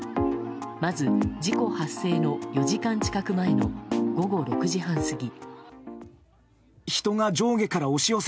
まず、事故発生の４時間近く前の午後６時半過ぎ。